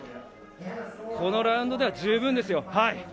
このラウンドでは十分ですよ。